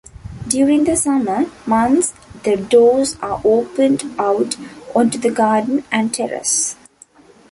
During the summer months the doors are opened out onto the garden and terrace.